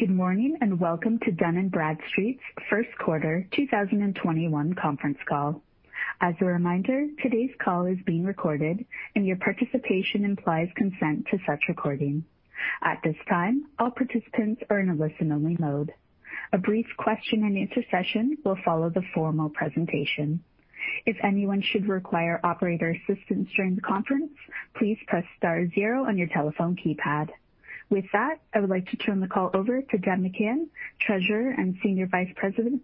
Good morning, welcome to Dun & Bradstreet's First Quarter 2021 Conference Call. As a reminder, today's call is being recorded, and your participation implies consent to such recording. At this time, all participants are in a listen-only mode. A brief question and answer session will follow the formal presentation. If anyone should require operator assistance during the conference, please press star zero on your telephone keypad. With that, I would like to turn the call over to Deb McCann, Treasurer and Senior Vice President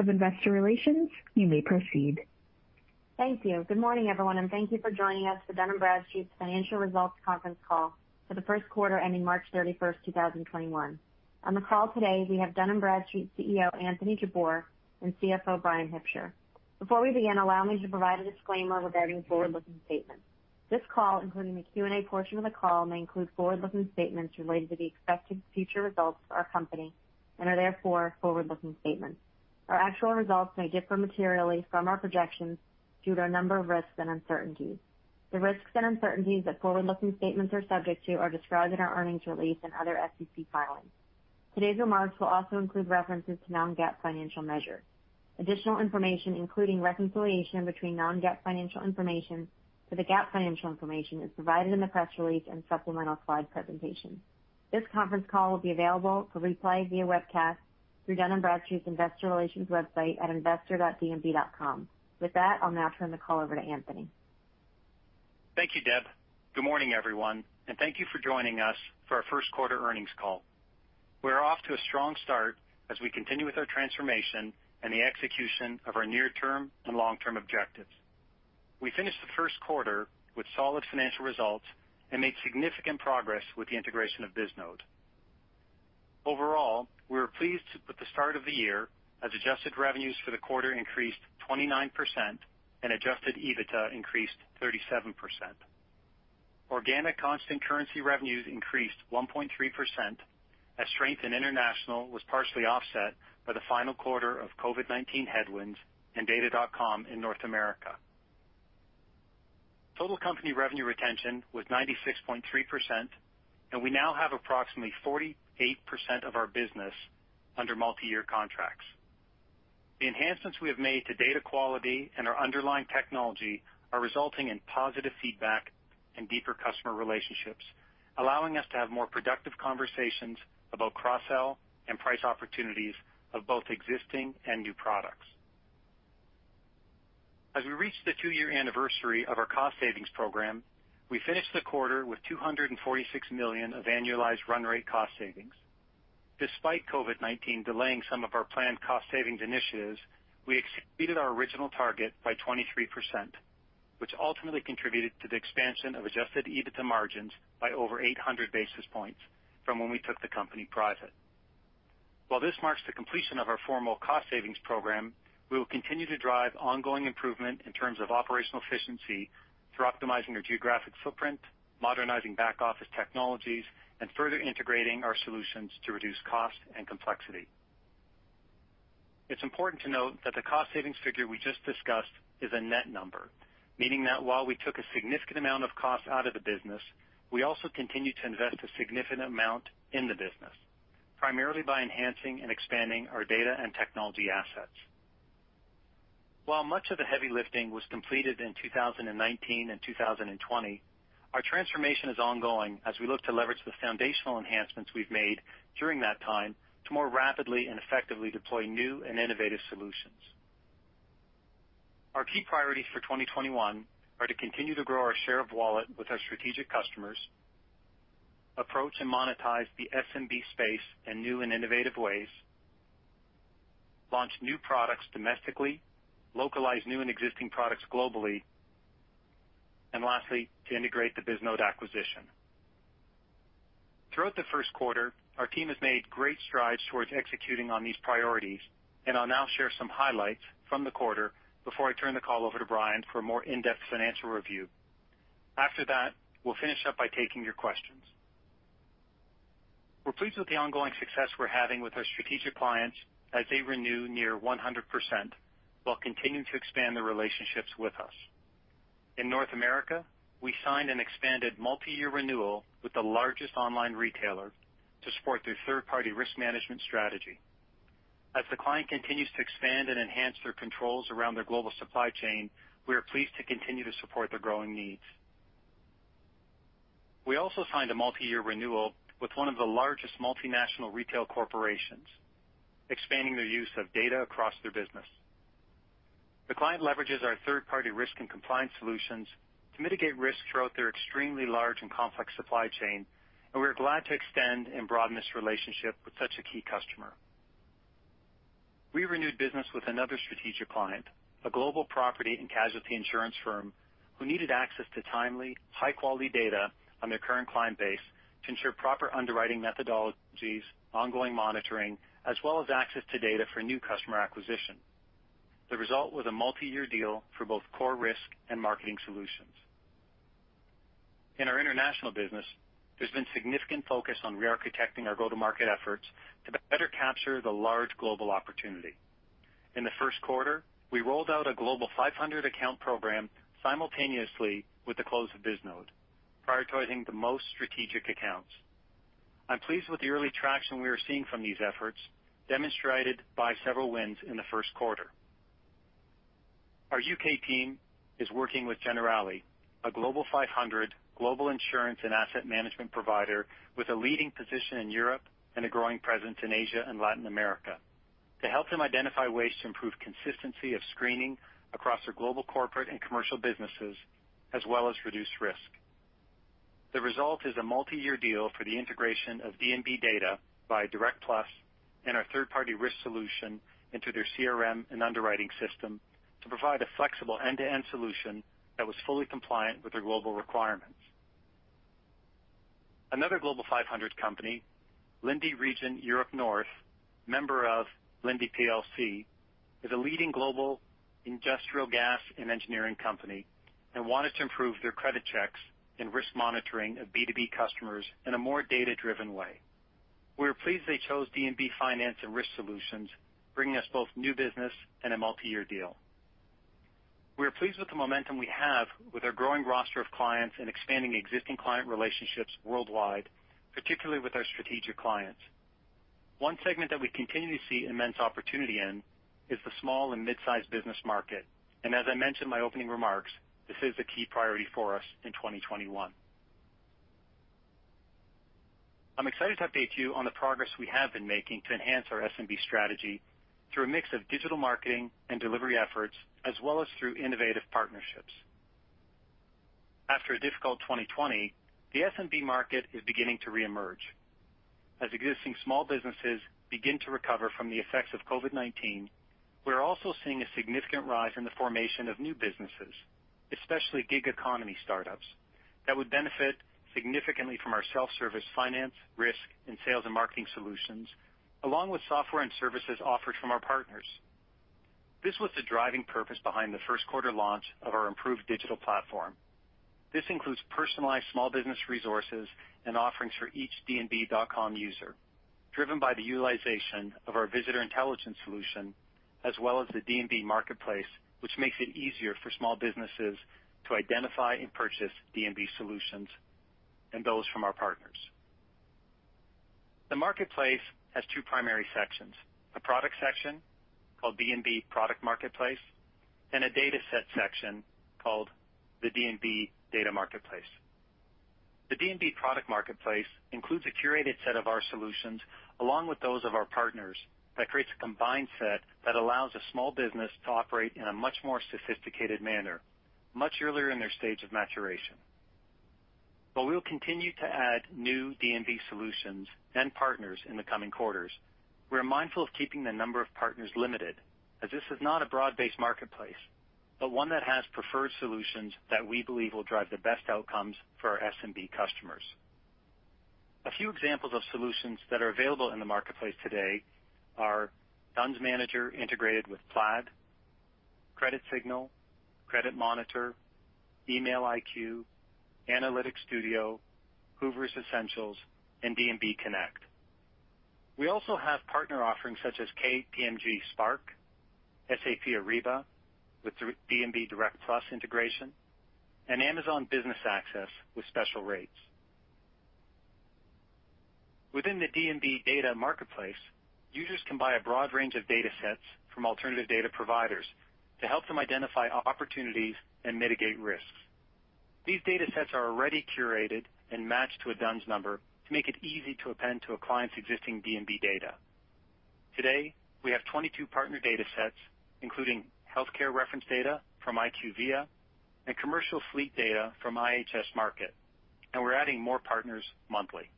of Investor Relations. You may proceed. Thank you. Good morning, everyone, and thank you for joining us for Dun & Bradstreet's financial results conference call for the first quarter ending March 31st, 2021. On the call today, we have Dun & Bradstreet CEO Anthony Jabbour and CFO Bryan Hipsher. Before we begin, allow me to provide a disclaimer regarding forward-looking statements. This call, including the Q&A portion of the call, may include forward-looking statements related to the expected future results of our company and are therefore forward-looking statements. Our actual results may differ materially from our projections due to a number of risks and uncertainties. The risks and uncertainties that forward-looking statements are subject to are described in our earnings release and other SEC filings. Today's remarks will also include references to non-GAAP financial measures. Additional information, including reconciliation between non-GAAP financial information to the GAAP financial information, is provided in the press release and supplemental slide presentation. This conference call will be available for replay via webcast through Dun & Bradstreet's investor relations website at investor.dnb.com. With that, I'll now turn the call over to Anthony. Thank you, Deb. Good morning, everyone, and thank you for joining us for our first quarter earnings call. We're off to a strong start as we continue with our transformation and the execution of our near-term and long-term objectives. We finished the first quarter with solid financial results and made significant progress with the integration of Bisnode. Overall, we were pleased with the start of the year as adjusted revenues for the quarter increased 29% and adjusted EBITDA increased 37%. Organic constant currency revenues increased 1.3% as strength in International was partially offset by the final quarter of COVID-19 headwinds and Data.com in North America. Total company revenue retention was 96.3%, and we now have approximately 48% of our business under multi-year contracts. The enhancements we have made to data quality and our underlying technology are resulting in positive feedback and deeper customer relationships, allowing us to have more productive conversations about cross-sell and price opportunities of both existing and new products. As we reach the two-year anniversary of our cost savings program, we finished the quarter with $246 million of annualized run rate cost savings. Despite COVID-19 delaying some of our planned cost savings initiatives, we exceeded our original target by 23%, which ultimately contributed to the expansion of adjusted EBITDA margins by over 800 basis points from when we took the company private. While this marks the completion of our formal cost savings program, we will continue to drive ongoing improvement in terms of operational efficiency through optimizing our geographic footprint, modernizing back office technologies, and further integrating our solutions to reduce cost and complexity. It's important to note that the cost savings figure we just discussed is a net number, meaning that while we took a significant amount of cost out of the business, we also continue to invest a significant amount in the business, primarily by enhancing and expanding our data and technology assets. While much of the heavy lifting was completed in 2019 and 2020, our transformation is ongoing as we look to leverage the foundational enhancements we've made during that time to more rapidly and effectively deploy new and innovative solutions. Our key priorities for 2021 are to continue to grow our share of wallet with our strategic customers, approach and monetize the SMB space in new and innovative ways, launch new products domestically, localize new and existing products globally, and lastly, to integrate the Bisnode acquisition. Throughout the first quarter, our team has made great strides towards executing on these priorities. I'll now share some highlights from the quarter before I turn the call over to Bryan for a more in-depth financial review. After that, we'll finish up by taking your questions. We're pleased with the ongoing success we're having with our strategic clients as they renew near 100% while continuing to expand their relationships with us. In North America, we signed an expanded multi-year renewal with Amazon to support their third-party risk management strategy. As the client continues to expand and enhance their controls around their global supply chain, we are pleased to continue to support their growing needs. We also signed a multi-year renewal with one of the largest multinational retail corporations, expanding their use of data across their business. The client leverages our third-party risk and compliance solutions to mitigate risks throughout their extremely large and complex supply chain. We are glad to extend and broaden this relationship with such a key customer. We renewed business with another strategic client, a global property and casualty insurance firm, who needed access to timely, high-quality data on their current client base to ensure proper underwriting methodologies, ongoing monitoring, as well as access to data for new customer acquisition. The result was a multi-year deal for both core risk and marketing solutions. In our International business, there's been significant focus on re-architecting our go-to-market efforts to better capture the large global opportunity. In the first quarter, we rolled out a Global 500 account program simultaneously with the close of Bisnode, prioritizing the most strategic accounts. I'm pleased with the early traction we are seeing from these efforts, demonstrated by several wins in the first quarter. Our U.K. team is working with Generali, a Global 500 global insurance and asset management provider with a leading position in Europe and a growing presence in Asia and Latin America, to help them identify ways to improve consistency of screening across their global corporate and commercial businesses, as well as reduce risk. The result is a multiyear deal for the integration of D&B Data by Direct+ and our third-party risk solution into their CRM and underwriting system to provide a flexible end-to-end solution that was fully compliant with their global requirements. Another Global 500 company, Linde Region Europe North, member of Linde PLC, is a leading global industrial gas and engineering company and wanted to improve their credit checks and risk monitoring of B2B customers in a more data-driven way. We are pleased they chose D&B Finance and Risk Solutions, bringing us both new business and a multiyear deal. We are pleased with the momentum we have with our growing roster of clients and expanding existing client relationships worldwide, particularly with our strategic clients. One segment that we continue to see immense opportunity in is the small and midsize business market. As I mentioned in my opening remarks, this is a key priority for us in 2021. I'm excited to update you on the progress we have been making to enhance our SMB strategy through a mix of digital marketing and delivery efforts, as well as through innovative partnerships. After a difficult 2020, the SMB market is beginning to reemerge. As existing small businesses begin to recover from the effects of COVID-19, we are also seeing a significant rise in the formation of new businesses, especially gig economy startups, that would benefit significantly from our self-service Finance, Risk, and Sales and Marketing Solutions, along with software and services offered from our partners. This was the driving purpose behind the first quarter launch of our improved digital platform. This includes personalized small business resources and offerings for each dnb.com user, driven by the utilization of our Visitor Intelligence solution, as well as the D&B Marketplace, which makes it easier for small businesses to identify and purchase D&B solutions and those from our partners. The marketplace has two primary sections, a product section called D&B Product Marketplace, and a dataset section called the D&B Data Marketplace. The D&B Product Marketplace includes a curated set of our solutions, along with those of our partners, that creates a combined set that allows a small business to operate in a much more sophisticated manner much earlier in their stage of maturation. While we will continue to add new D&B solutions and partners in the coming quarters, we're mindful of keeping the number of partners limited, as this is not a broad-based marketplace, but one that has preferred solutions that we believe will drive the best outcomes for our SMB customers. A few examples of solutions that are available in the marketplace today are D-U-N-S Manager integrated with Plaid, CreditSignal, CreditMonitor, Email IQ, Analytics Studio, Hoovers Essentials, and D&B Connect. We also have partner offerings such as KPMG Spark, SAP Ariba with D&B Direct+ integration, and Amazon Business with special rates. Within the D&B Data Marketplace, users can buy a broad range of datasets from alternative data providers to help them identify opportunities and mitigate risks. These datasets are already curated and matched to a D-U-N-S Number to make it easy to append to a client's existing D&B Data. Today, we have 22 partner datasets, including healthcare reference data from IQVIA and commercial fleet data from IHS Markit, and we're adding more partners monthly.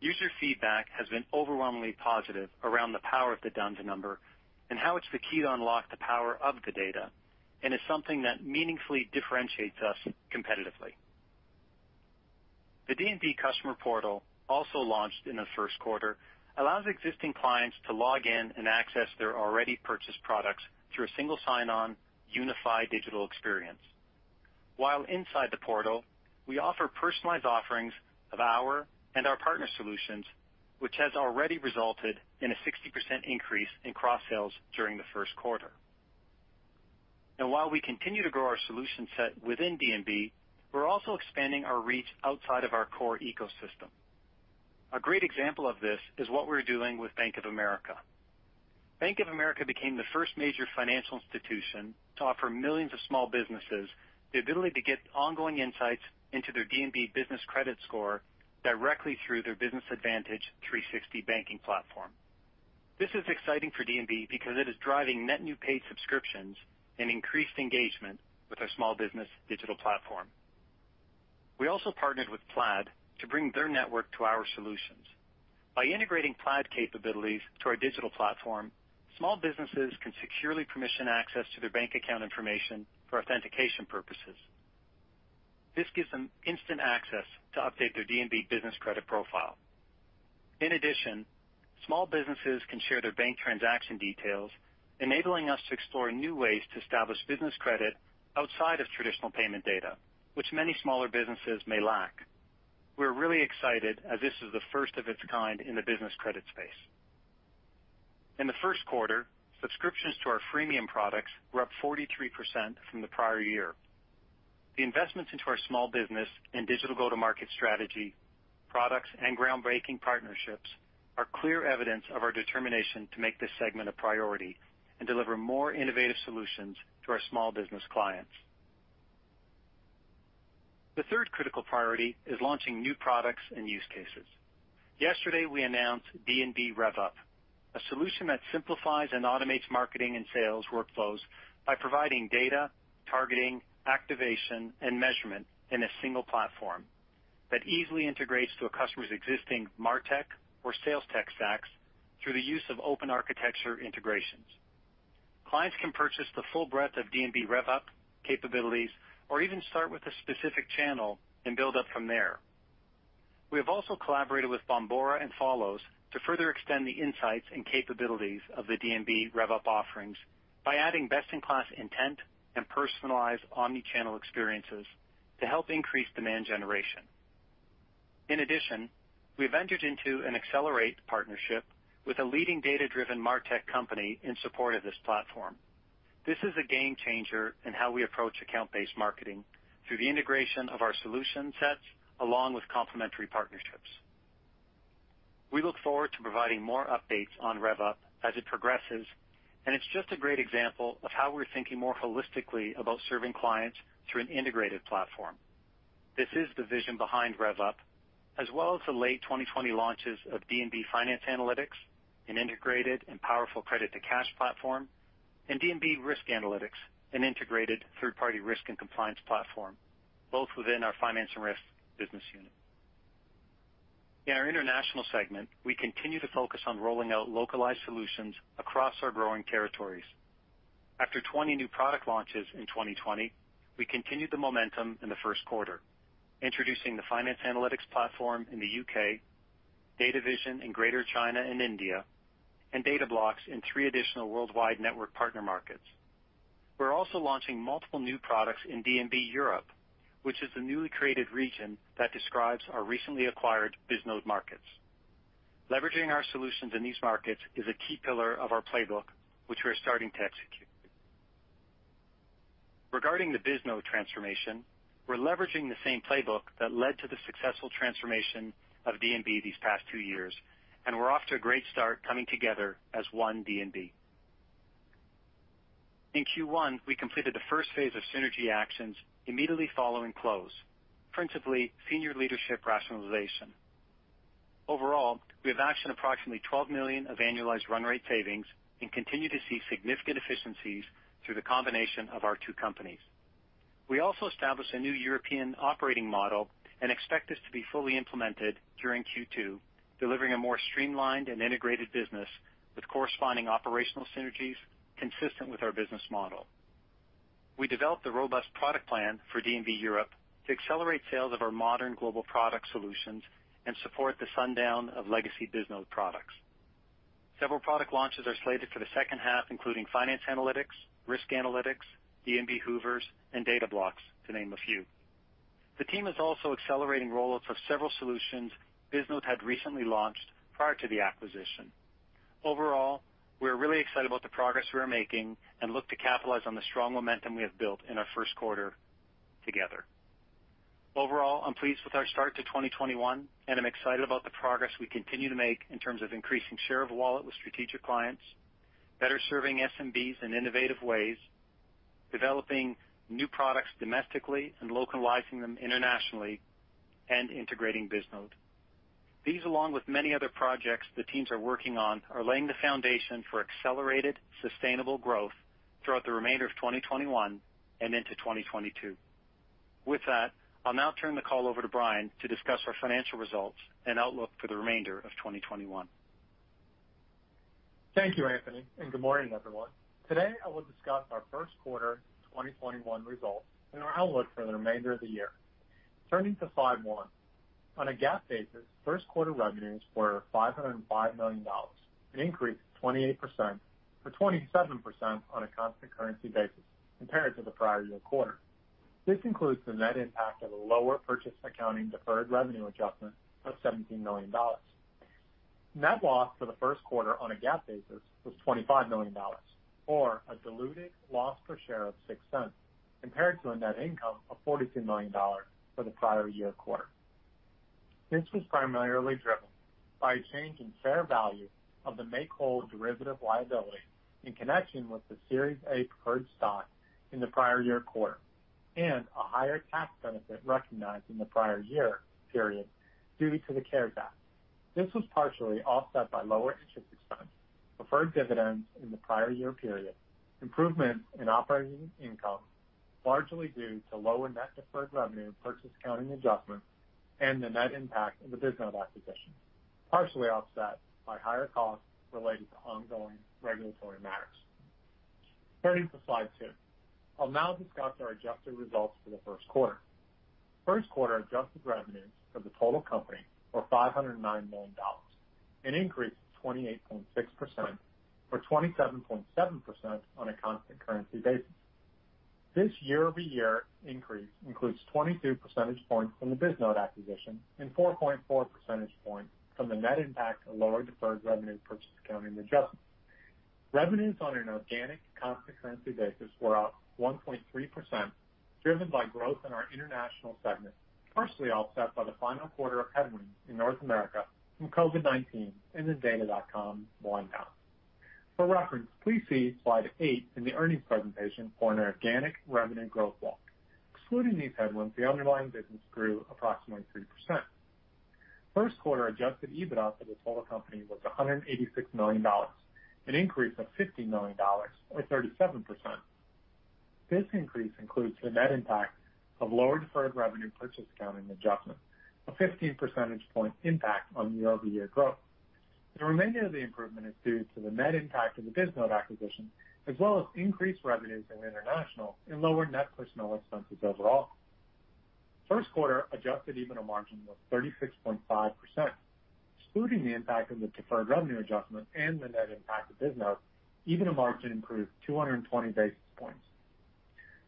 User feedback has been overwhelmingly positive around the power of the D-U-N-S Number and how it's the key to unlock the power of the data, and it's something that meaningfully differentiates us competitively. The D&B Customer portal, also launched in the first quarter, allows existing clients to log in and access their already purchased products through a single sign-on unified digital experience. While inside the portal, we offer personalized offerings of our and our partner solutions, which has already resulted in a 60% increase in cross-sales during the first quarter. While we continue to grow our solution set within D&B, we're also expanding our reach outside of our core ecosystem. A great example of this is what we're doing with Bank of America. Bank of America became the first major financial institution to offer millions of small businesses the ability to get ongoing insights into their D&B business credit score directly through their Business Advantage 360 banking platform. This is exciting for D&B because it is driving net new paid subscriptions and increased engagement with our small business digital platform. We also partnered with Plaid to bring their network to our solutions. By integrating Plaid capabilities to our digital platform, small businesses can securely permission access to their bank account information for authentication purposes. This gives them instant access to update their D&B business credit profile. In addition, small businesses can share their bank transaction details, enabling us to explore new ways to establish business credit outside of traditional payment data, which many smaller businesses may lack. We're really excited as this is the first of its kind in the business credit space. In the first quarter, subscriptions to our freemium products were up 43% from the prior year. The investments into our small business and digital go-to-market strategy, products, and groundbreaking partnerships are clear evidence of our determination to make this segment a priority and deliver more innovative solutions to our small business clients. The third critical priority is launching new products and use cases. Yesterday, we announced D&B Rev.Up, a solution that simplifies and automates marketing and sales workflows by providing data, targeting, activation, and measurement in a single platform that easily integrates to a customer's existing martech or sales tech stacks through the use of open architecture integrations. Clients can purchase the full breadth of D&B Rev.Up capabilities or even start with a specific channel and build up from there. We have also collaborated with Bombora and Folloze to further extend the insights and capabilities of the D&B Rev.Up offerings by adding best-in-class intent and personalized omni-channel experiences to help increase demand generation. We ventured into an Accelerate partnership with a leading data-driven martech company in support of this platform. This is a game changer in how we approach account-based marketing through the integration of our solution sets, along with complementary partnerships. We look forward to providing more updates on Rev.Up as it progresses, and it's just a great example of how we're thinking more holistically about serving clients through an integrated platform. This is the vision behind Rev.Up, as well as the late 2020 launches of D&B Finance Analytics, an integrated and powerful credit-to-cash platform, and D&B Risk Analytics, an integrated third-party risk and compliance platform, both within our Finance and Risk business unit. In our International segment, we continue to focus on rolling out localized solutions across our growing territories. After 20 new product launches in 2020, we continued the momentum in the first quarter, introducing the Finance Analytics platform in the U.K., DataVision in Greater China and India, and Data Blocks in three additional Worldwide Network partner markets. We're also launching multiple new products in D&B Europe, which is the newly created region that describes our recently acquired Bisnode markets. Leveraging our solutions in these markets is a key pillar of our playbook, which we are starting to execute. Regarding the Bisnode transformation, we're leveraging the same playbook that led to the successful transformation of D&B these past two years, and we're off to a great start coming together as one D&B. In Q1, we completed the first phase of synergy actions immediately following close, principally senior leadership rationalization. Overall, we have actioned approximately $12 million of annualized run rate savings and continue to see significant efficiencies through the combination of our two companies. We also established a new European operating model and expect this to be fully implemented during Q2, delivering a more streamlined and integrated business with corresponding operational synergies consistent with our business model. We developed a robust product plan for D&B Europe to accelerate sales of our modern global product solutions and support the sundown of legacy Bisnode products. Several product launches are slated for the second half, including Finance Analytics, Risk Analytics, D&B Hoovers, and Data Blocks, to name a few. The team is also accelerating rollouts of several solutions Bisnode had recently launched prior to the acquisition. We're really excited about the progress we are making and look to capitalize on the strong momentum we have built in our first quarter together. I'm pleased with our start to 2021, and I'm excited about the progress we continue to make in terms of increasing share of wallet with strategic clients, better serving SMBs in innovative ways, developing new products domestically and localizing them internationally, and integrating Bisnode. These, along with many other projects the teams are working on, are laying the foundation for accelerated, sustainable growth throughout the remainder of 2021 and into 2022. With that, I'll now turn the call over to Bryan to discuss our financial results and outlook for the remainder of 2021. Thank you, Anthony, good morning, everyone. Today, I will discuss our first quarter 2021 results and our outlook for the remainder of the year. Turning to slide one. On a GAAP basis, first quarter revenues were $505 million, an increase of 28%, or 27% on a constant currency basis compared to the prior year quarter. This includes the net impact of a lower purchase accounting deferred revenue adjustment of $17 million. Net loss for the first quarter on a GAAP basis was $25 million, or a diluted loss per share of $0.06, compared to a net income of $42 million for the prior year quarter. This was primarily driven by a change in fair value of the make-whole derivative liability in connection with the Series A preferred stock in the prior year quarter, and a higher tax benefit recognized in the prior year period due to the CARES Act. This was partially offset by lower interest expense, preferred dividends in the prior year period, improvements in operating income, largely due to lower net deferred revenue purchase accounting adjustments, and the net impact of the Bisnode acquisition, partially offset by higher costs related to ongoing regulatory matters. Turning to slide two. I'll now discuss our adjusted results for the first quarter. First quarter adjusted revenues for the total company were $509 million, an increase of 28.6%, or 27.7% on a constant currency basis. This year-over-year increase includes 22 percentage points from the Bisnode acquisition and 4.4 percentage points from the net impact of lower deferred revenue purchase accounting adjustments. Revenues on an organic constant currency basis were up 1.3%, driven by growth in our International segment, partially offset by the final quarter of headwinds in North America from COVID-19 and the Data.com wind-down. For reference, please see slide eight in the earnings presentation for an organic revenue growth walk. Excluding these headwinds, the underlying business grew approximately 3%. First quarter adjusted EBITDA for the total company was $186 million, an increase of $50 million or 37%. This increase includes the net impact of lower deferred revenue purchase accounting adjustments, a 15 percentage point impact on year-over-year growth. The remainder of the improvement is due to the net impact of the Bisnode acquisition, as well as increased revenues in International and lower net personnel expenses overall. First quarter adjusted EBITDA margin was 36.5%. Excluding the impact of the deferred revenue adjustment and the net impact of Bisnode, EBITDA margin improved 220 basis points.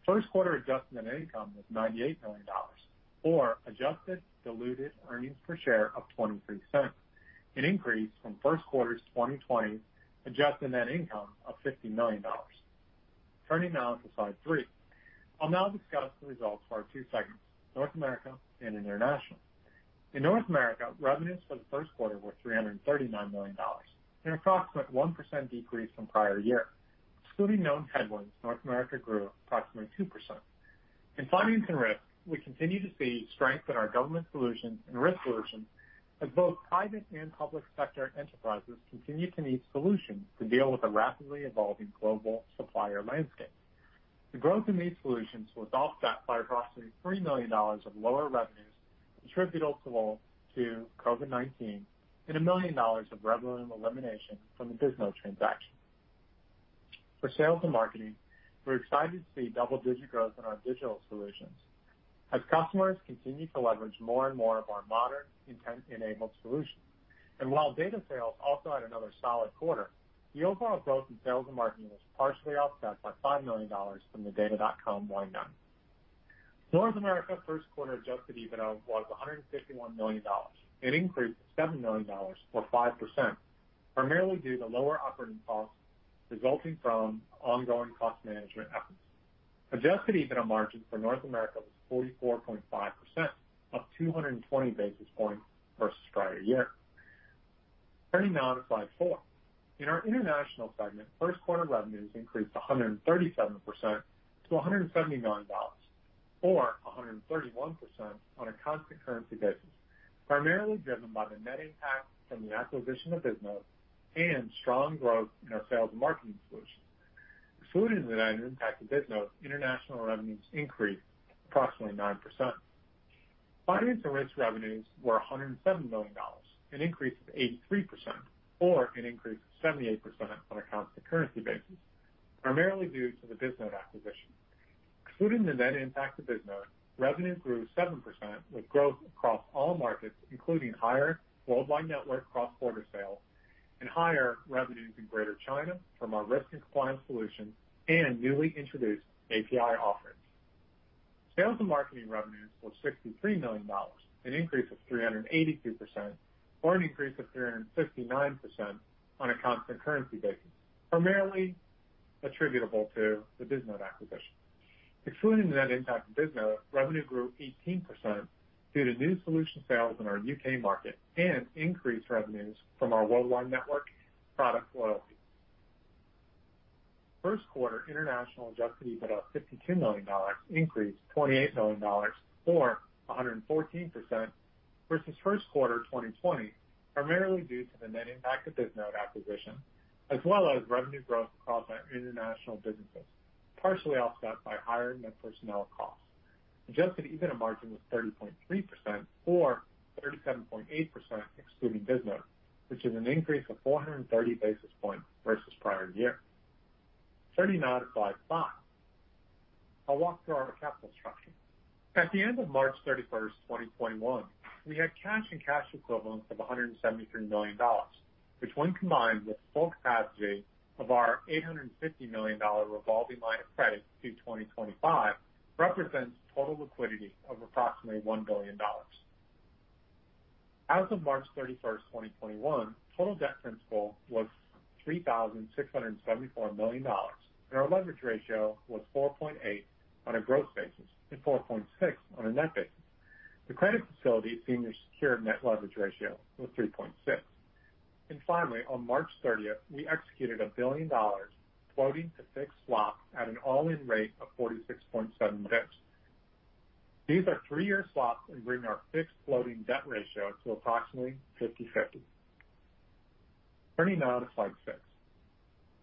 First quarter adjusted net income was $98 million or adjusted diluted earnings per share of $0.23, an increase from first quarter 2020 adjusted net income of $50 million. Turning now to slide three. I'll now discuss the results for our two segments, North America and International. In North America, revenues for the first quarter were $339 million, an approximate 1% decrease from prior year. Excluding known headwinds, North America grew approximately 2%. In Finance and Risk, we continue to see strength in our government solutions and risk solutions as both private and public sector enterprises continue to need solutions to deal with the rapidly evolving global supplier landscape. The growth in these solutions was offset by approximately $3 million of lower revenues attributable to COVID-19 and $1 million of revenue elimination from the Bisnode transaction. For Sales and Marketing, we're excited to see double-digit growth in our digital solutions as customers continue to leverage more and more of our modern intent-enabled solutions. While data sales also had another solid quarter, the overall growth in Sales and Marketing was partially offset by $5 million from the Data.com wind-down. North America first quarter adjusted EBITDA was $151 million, an increase of $7 million or 5%, primarily due to lower operating costs resulting from ongoing cost management efforts. Adjusted EBITDA margin for North America was 44.5%, up 220 basis points versus prior year. Turning now to slide four. In our International segment, first-quarter revenues increased 137% to $170 million, or 131% on a constant currency basis, primarily driven by the net impact from the acquisition of Bisnode and strong growth in our Sales and Marketing Solutions. Excluding the net impact of Bisnode, International revenues increased approximately 9%. Finance and Risk revenues were $107 million, an increase of 83%, or an increase of 78% on a constant currency basis, primarily due to the Bisnode acquisition. Excluding the net impact of Bisnode, revenue grew 7% with growth across all markets, including higher Worldwide Network cross-border sales and higher revenues in Greater China from our risk and compliance solutions and newly introduced API offerings. Sales and Marketing revenues were $63 million, an increase of 382%, or an increase of 359% on a constant currency basis, primarily attributable to the Bisnode acquisition. Excluding the net impact of Bisnode, revenue grew 18% due to new solution sales in our U.K. market and increased revenues from our Worldwide Network product royalty. First quarter International adjusted EBITDA of $52 million, increased $28 million or 114% versus first quarter 2020, primarily due to the net impact of Bisnode acquisition, as well as revenue growth across our International businesses, partially offset by higher net personnel costs. Adjusted EBITDA margin was 30.3%, or 37.8% excluding Bisnode, which is an increase of 430 basis points versus prior year. Turning now to slide five. I will walk through our capital structure. At the end of March 31st, 2021, we had cash and cash equivalents of $173 million, which when combined with full capacity of our $850 million revolving line of credit through 2025, represents total liquidity of approximately $1 billion. As of March 31st, 2021, total debt principal was $3,674 million. Our leverage ratio was 4.8 on a gross basis and 4.6 on a net basis. The credit facility senior secured net leverage ratio was 3.6. Finally, on March 30th, we executed a billion-dollar floating to fixed swap at an all-in rate of 46.7 basis points. These are three-year swaps and bring our fixed floating debt ratio to approximately 50/50. Turning now to slide six.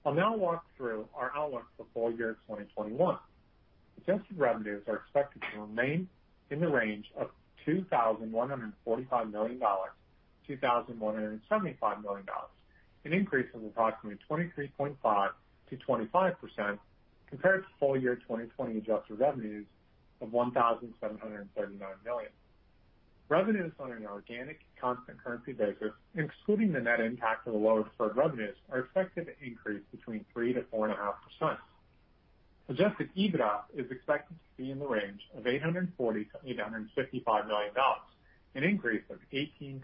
I'll now walk through our outlook for full year 2021. Adjusted revenues are expected to remain in the range of $2,145 million-$2,175 million, an increase of approximately 23.5%-25% compared to full year 2020 adjusted revenues of $1,739 million. Revenues on an organic constant currency basis, excluding the net impact of the lower deferred revenues, are expected to increase between 3%-4.5%. Adjusted EBITDA is expected to be in the range of $840 million-$855 million, an increase of 18%-20%.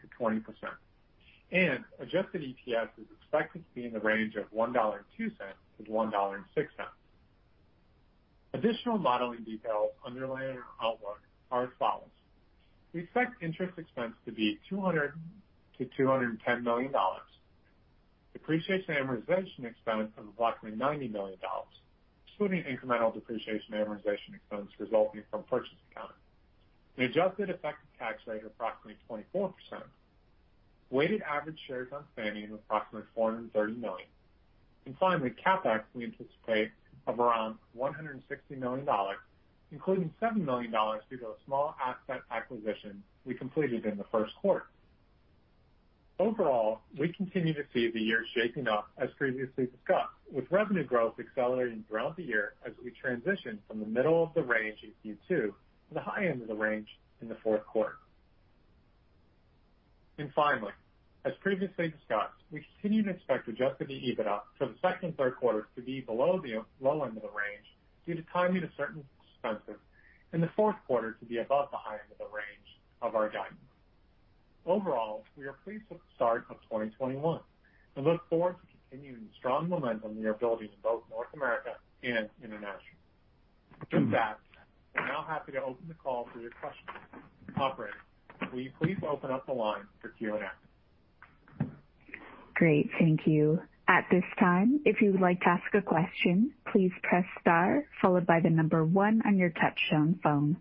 Adjusted EPS is expected to be in the range of $1.02-$1.06. Additional modeling details underlying our outlook are as follows. We expect interest expense to be $200 million-$210 million. Depreciation and amortization expense of approximately $90 million, excluding incremental depreciation and amortization expense resulting from purchase accounting. An adjusted effective tax rate of approximately 24%. Weighted average shares outstanding of approximately 430 million. Finally, CapEx we anticipate of around $160 million, including $7 million due to a small asset acquisition we completed in the first quarter. Overall, we continue to see the year shaping up as previously discussed, with revenue growth accelerating throughout the year as we transition from the middle of the range in Q2 to the high end of the range in the fourth quarter. Finally, as previously discussed, we continue to expect adjusted EBITDA for the second and third quarters to be below the low end of the range due to timing of certain expenses, and the fourth quarter to be above the high end of the range of our guidance. Overall, we are pleased with the start of 2021 and look forward to continuing the strong momentum in our ability to both North America and International. With that, I'm now happy to open the call for your questions. Operator, will you please open up the line for Q&A? Great, thank you. At this time, if you'd like to ask a question, please press star followed by the number one on your touch tone phone.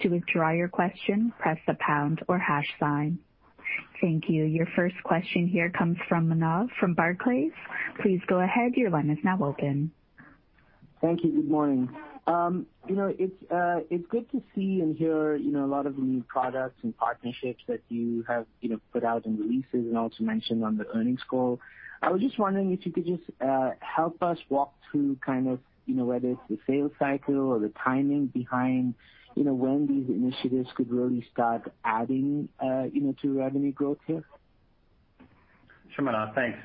To withdraw your question, press a pound or hash sign. Thank you. Your first question here comes from Manav from Barclays. Please go ahead. Thank you. Good morning. It's good to see and hear a lot of the new products and partnerships that you have put out in releases and also mentioned on the earnings call. I was just wondering if you could just help us walk through kind of whether it's the sales cycle or the timing behind when these initiatives could really start adding to revenue growth here? Sure, Manav, thanks.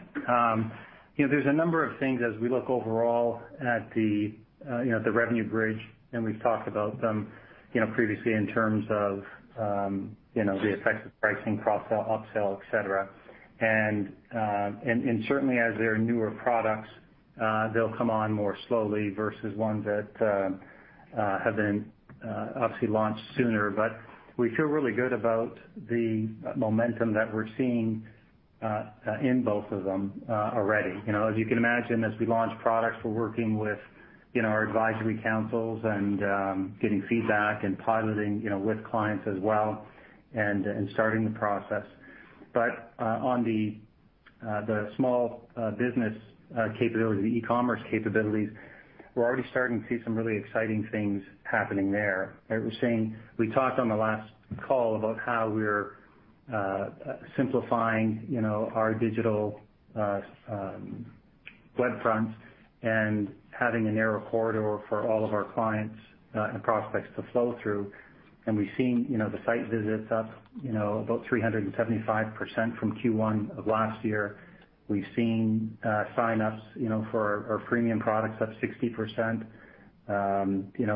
There's a number of things as we look overall at the revenue bridge, we've talked about them previously in terms of the effects of pricing, cross-sell, up-sell, et cetera. Certainly as they are newer products, they'll come on more slowly versus ones that have been obviously launched sooner. We feel really good about the momentum that we're seeing in both of them already. As you can imagine, as we launch products, we're working with our advisory councils and getting feedback and piloting with clients as well and starting the process. On the small business capability, the e-commerce capabilities, we're already starting to see some really exciting things happening there. As we were saying, we talked on the last call about how we're simplifying our digital web front and having a narrow corridor for all of our clients and prospects to flow through. We've seen the site visits up about 375% from Q1 of last year. We've seen sign-ups for our premium products up 60%.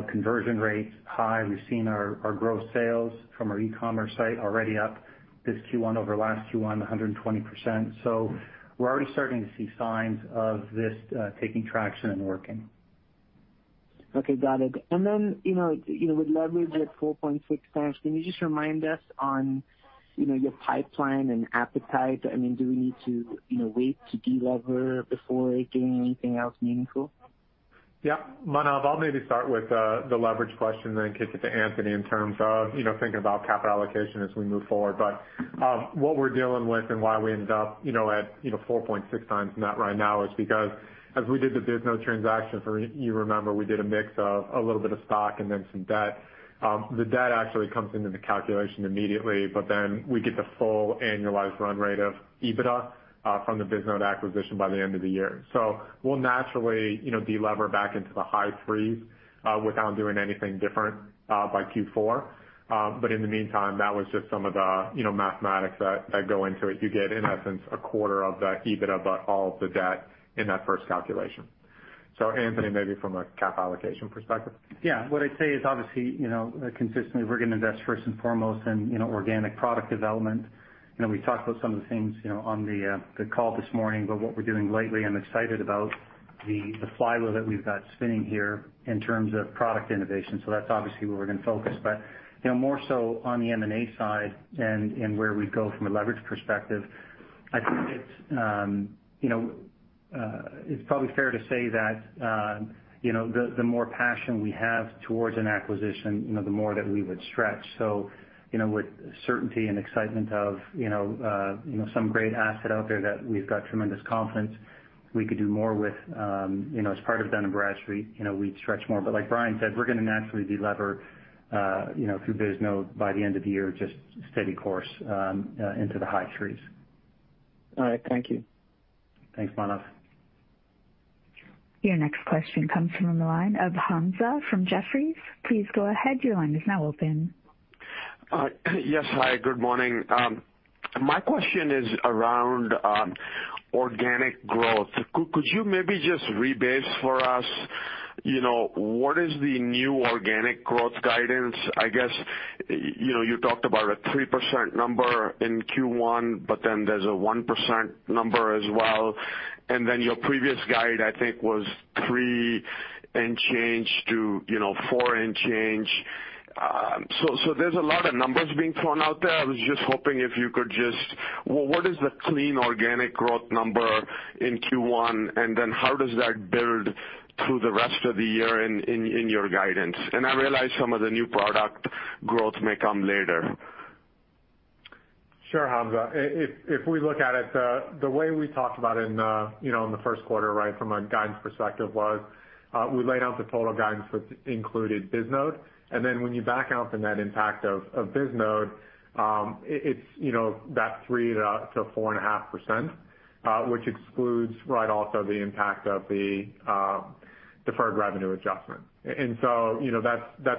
Conversion rates high. We've seen our gross sales from our e-commerce site already up this Q1 over last Q1, 120%. We're already starting to see signs of this taking traction and working. Okay, got it. With leverage at 4.6x, can you just remind us on your pipeline and appetite? Do we need to wait to de-lever before doing anything else meaningful? Manav, I'll maybe start with the leverage question, then kick it to Anthony in terms of thinking about capital allocation as we move forward. What we're dealing with and why we ended up at 4.6x net right now is because as we did the Bisnode transaction, if you remember, we did a mix of a little bit of stock and then some debt. The debt actually comes into the calculation immediately, but then we get the full annualized run rate of EBITDA from the Bisnode acquisition by the end of the year. We'll naturally de-lever back into the high threes without doing anything different by Q4. In the meantime, that was just some of the mathematics that go into it. You get, in essence, a quarter of the EBITDA but all of the debt in that first calculation. Anthony, maybe from a cap allocation perspective. Yeah. What I'd say is obviously, consistently, we're going to invest first and foremost in organic product development. We talked about some of the things on the call this morning, but what we're doing lately, I'm excited about the flywheel that we've got spinning here in terms of product innovation. That's obviously where we're going to focus. More so on the M&A side and where we go from a leverage perspective, I think it's probably fair to say that the more passion we have towards an acquisition, the more that we would stretch. With certainty and excitement of some great asset out there that we've got tremendous confidence we could do more with as part of Dun & Bradstreet we'd stretch more. Like Bryan said, we're going to naturally de-lever through Bisnode by the end of the year, just steady course into the high threes. All right. Thank you. Thanks, Manav. Your next question comes from the line of Hamzah from Jefferies. Please go ahead. Your line is now open. Yes. Hi, good morning. My question is around organic growth. Could you maybe just re-base for us, what is the new organic growth guidance? I guess you talked about a 3% number in Q1, but then there's a 1% number as well, and then your previous guide, I think, was three and change to four and change. There's a lot of numbers being thrown out there. I was just hoping if you could what is the clean organic growth number in Q1? How does that build through the rest of the year in your guidance? I realize some of the new product growth may come later. Sure, Hamzah. If we look at it, the way we talked about it in the first quarter from a guidance perspective was, we laid out the total guidance, which included Bisnode. When you back out from that impact of Bisnode, it's that 3%-4.5%, which excludes also the impact of the deferred revenue adjustment. That's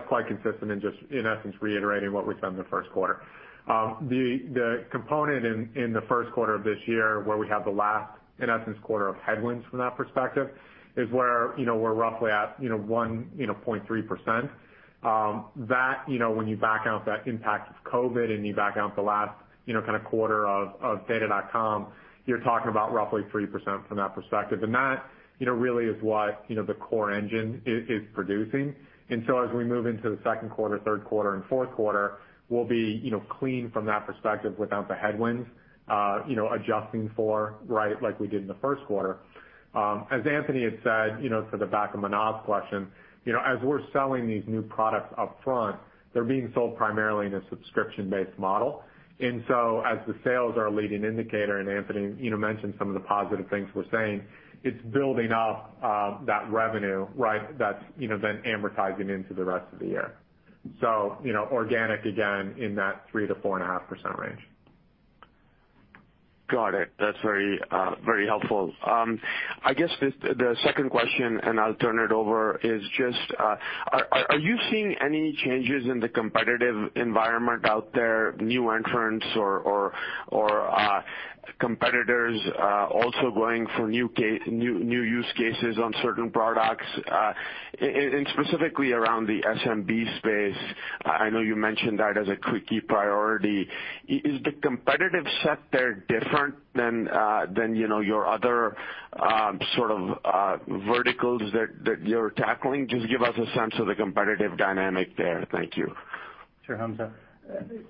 quite consistent and just in essence reiterating what we said in the first quarter. The component in the first quarter of this year where we have the last, in essence quarter of headwinds from that perspective is where we're roughly at 1.3%. That, when you back out the impact of COVID-19 and you back out the last kind of quarter of Data.com, you're talking about roughly 3% from that perspective. That really is what the core engine is producing. As we move into the second quarter, third quarter, and fourth quarter, we'll be clean from that perspective without the headwinds adjusting for right like we did in the first quarter. As Anthony had said to the back of Manav's question, as we're selling these new products upfront, they're being sold primarily in a subscription-based model. As the sales are a leading indicator, and Anthony mentioned some of the positive things we're saying, it's building up that revenue that's then amortizing into the rest of the year. Organic again in that 3%-4.5% range. Got it. That's very helpful. I guess the second question, and I'll turn it over, is just are you seeing any changes in the competitive environment out there, new entrants or competitors also going for new use cases on certain products? Specifically around the SMB space, I know you mentioned that as a key priority. Is the competitive sector different than your other sort of verticals that you're tackling? Just give us a sense of the competitive dynamic there. Thank you. Sure, Hamzah.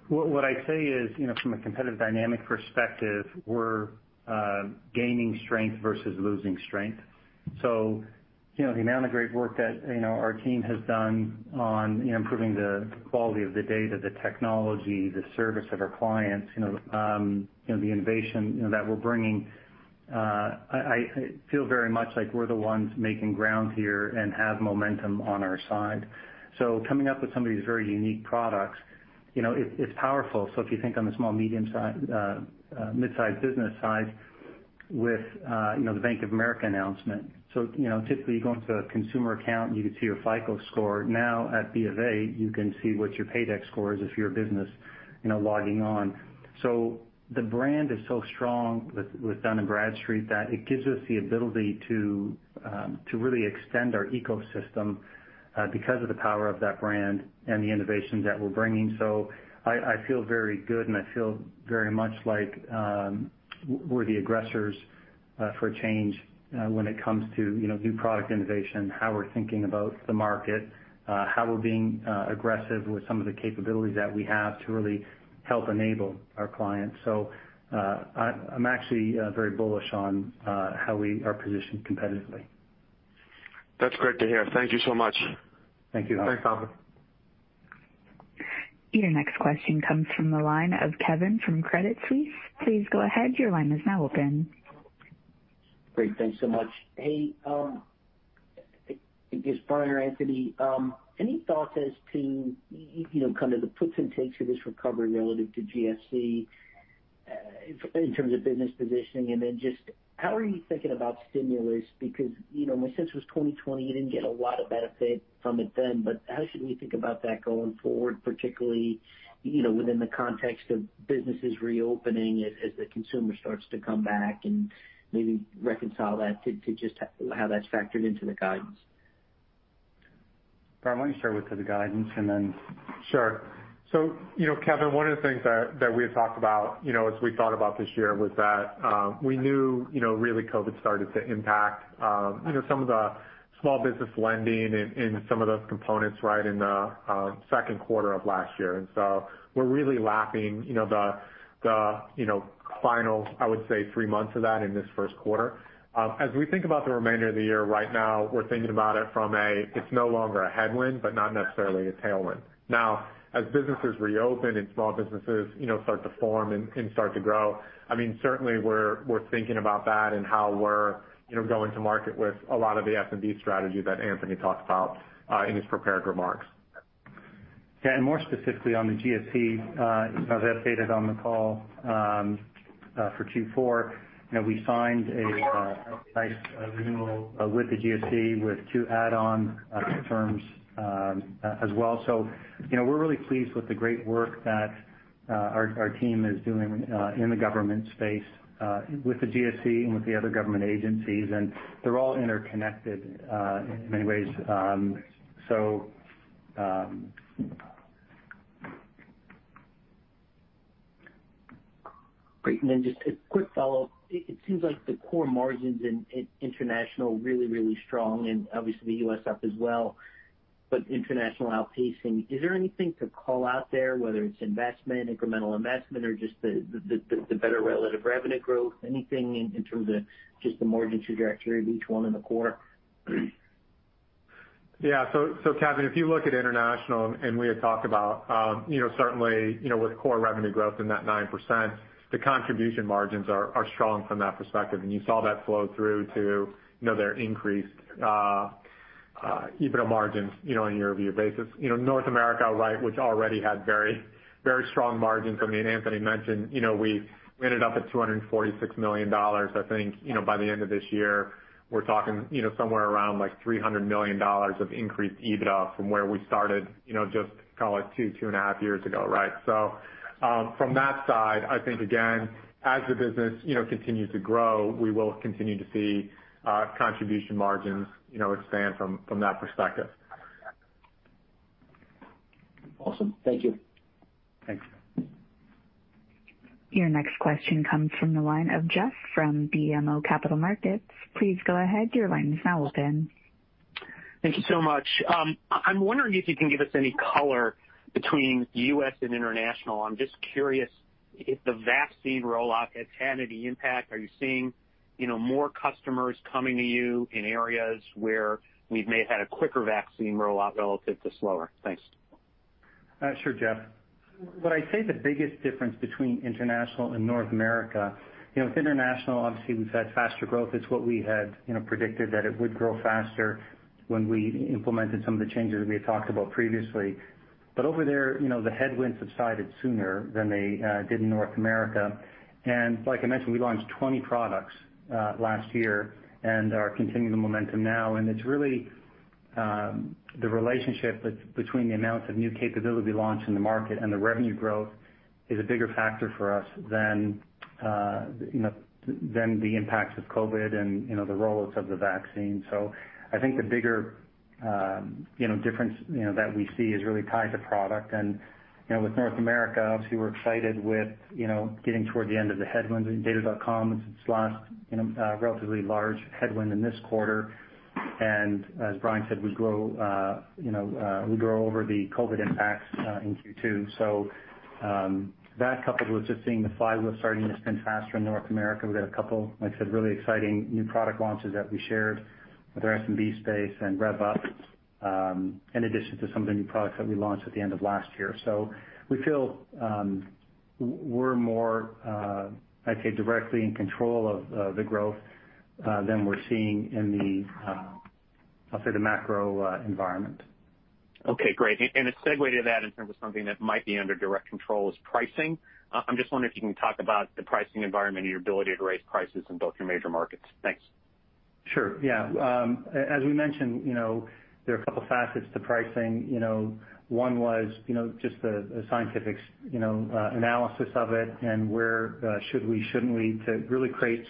What I'd say is from a competitive dynamic perspective, we're gaining strength versus losing strength. The amount of great work that our team has done on improving the quality of the data, the technology, the service of our clients, the innovation that we're bringing, I feel very much like we're the ones making ground here and have momentum on our side. Coming up with some of these very unique products, it's powerful. If you think on the small, medium-sized, mid-sized business side with the Bank of America announcement. Typically you go into a consumer account and you could see your FICO score. Now at BofA, you can see what your PAYDEX score is if you're a business logging on. The brand is so strong with Dun & Bradstreet that it gives us the ability to really extend our ecosystem because of the power of that brand and the innovations that we're bringing. I feel very good and I feel very much like we're the aggressors for change when it comes to new product innovation, how we're thinking about the market, how we're being aggressive with some of the capabilities that we have to really help enable our clients. I'm actually very bullish on how we are positioned competitively. That's great to hear. Thank you so much. Thank you. Thanks, Hamzah. Your next question comes from the line of Kevin from Credit Suisse. Please go ahead. Your line is now open. Great. Thanks so much. I guess, Bryan or Anthony, any thoughts as to kind of the puts and takes of this recovery relative to GFC in terms of business positioning? Just how are you thinking about stimulus? Because my sense was 2020, you didn't get a lot of benefit from it then, how should we think about that going forward, particularly within the context of businesses reopening as the consumer starts to come back and maybe reconcile that to just how that's factored into the guidance? Bryan, why don't you start with the guidance. Sure. Kevin, one of the things that we had talked about as we thought about this year was that we knew really COVID started to impact some of the small business lending in some of those components right in the second quarter of last year. We're really lacking the final, I would say three months of that in this first quarter. As we think about the remainder of the year right now, we're thinking about it from a it's no longer a headwind, but not necessarily a tailwind. Now, as businesses reopen and small businesses start to form and start to grow, I mean certainly we're thinking about that and how we're going to market with a lot of the SMB strategy that Anthony talked about in his prepared remarks. More specifically on the GSA, as I updated on the call for Q4, we signed a nice renewal with the GSA with two add-on terms as well. We're really pleased with the great work that our team is doing in the government space, with the GSA and with the other government agencies, and they're all interconnected in many ways. Great. Just a quick follow-up. It seems like the core margins in International are really strong and obviously the U.S. up as well, but International outpacing. Is there anything to call out there, whether it's investment, incremental investment, or just the better relative revenue growth? Anything in terms of just the margin trajectory of each one in the core? Kevin, if you look at International, we had talked about certainly, with core revenue growth in that 9%, the contribution margins are strong from that perspective. You saw that flow through to their increased EBITDA margins on a year-over-year basis. North America, which already had very strong margins. I mean, Anthony mentioned we ended up at $246 million, I think, by the end of this year. We're talking somewhere around $300 million of increased EBITDA from where we started, just call it two and a half years ago, right? From that side, I think, again, as the business continues to grow, we will continue to see contribution margins expand from that perspective. Awesome. Thank you. Thanks. Your next question comes from the line of Jeff from BMO Capital Markets. Please go ahead, your line is now open. Thank you so much. I'm wondering if you can give us any color between U.S. and International. I'm just curious if the vaccine rollout has had any impact. Are you seeing more customers coming to you in areas where we may have had a quicker vaccine rollout relative to slower? Thanks. Sure, Jeff. What I'd say the biggest difference between International and North America, with International, obviously we've had faster growth. It's what we had predicted that it would grow faster when we implemented some of the changes we had talked about previously. Over there, the headwinds subsided sooner than they did in North America. Like I mentioned, we launched 20 products last year and are continuing the momentum now, and it's really the relationship between the amount of new capability launch in the market and the revenue growth is a bigger factor for us than the impacts of COVID-19 and the rollouts of the vaccine. I think the bigger difference that we see is really tied to product. With North America, obviously, we're excited with getting toward the end of the headwinds and Data.com's last relatively large headwind in this quarter. As Bryan said, we grow over the COVID impacts in Q2. That coupled with just seeing the flywheel starting to spin faster in North America, we've got a couple, like I said, really exciting new product launches that we shared with our SMB space and Rev.Up, in addition to some of the new products that we launched at the end of last year. We feel we're more, I'd say, directly in control of the growth than we're seeing in the, I'll say, the macro environment. Okay, great. A segue to that in terms of something that might be under direct control is pricing. I'm just wondering if you can talk about the pricing environment and your ability to raise prices in both your major markets? Thanks. Sure, yeah. As we mentioned, there are a couple facets to pricing. One was just the scientific analysis of it and where should we, shouldn't we, to really create